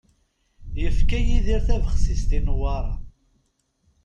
Yefka Yidir tabexsist i Newwara.